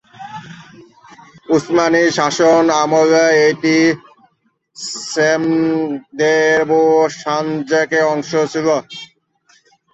উসমানীয় শাসনামলে এটি স্মেদেরেভোর সানজাকের অংশ ছিল।